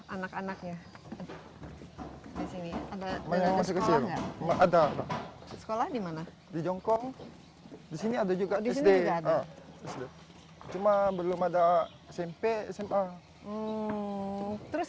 anak anaknya ada pasangan sekolah dimana di jongkong di sini ada juga di rumah belum ada smp smp terus